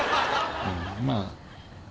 うんまあ。